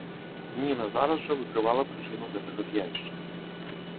Ніна зараз жа выкрывала прычыну гэтага з'явішча.